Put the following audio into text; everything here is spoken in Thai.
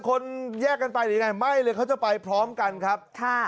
คนแยกกันไปหรือยังไงไม่เลยเขาจะไปพร้อมกันครับค่ะ